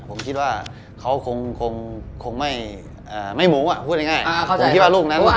ผมคิดว่าเขาคงไม่หมู